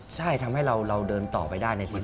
ใช่ทำให้เราเดินต่อไปได้ในชีวิต